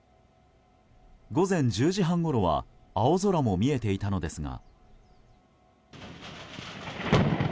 午前１０時半ごろは青空も見えていたのですが。